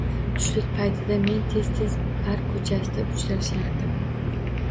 Tushlik paytida men tez -tez Park ko'chasida uchrashardim